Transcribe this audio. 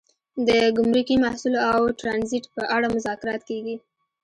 د ګمرکي محصول او ټرانزیټ په اړه مذاکرات کیږي